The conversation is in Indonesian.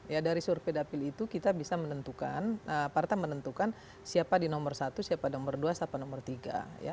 ya dari survei dapil itu kita bisa menentukan partai menentukan siapa di nomor satu siapa di nomor dua siapa nomor tiga